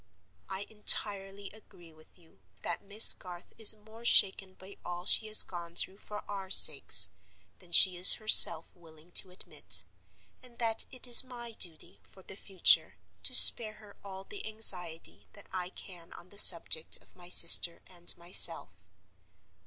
I entirely agree with you that Miss Garth is more shaken by all she has gone through for our sakes than she is herself willing to admit; and that it is my duty, for the future, to spare her all the anxiety that I can on the subject of my sister and myself.